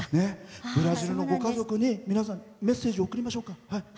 ブラジルのご家族に皆さんメッセージ送りましょうか。